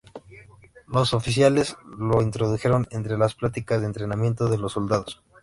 Los oficiales lo introdujeron entre las prácticas de entrenamiento de los soldados.